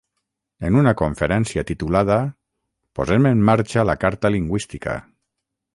En una conferència titulada Posem en marxa la ‘Carta lingüística’.